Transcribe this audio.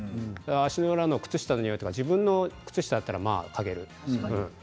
足の裏の靴下のにおいとか自分の靴下だったらまあ嗅げる。